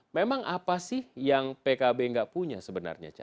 memang apa sih yang pkb nggak punya sebenarnya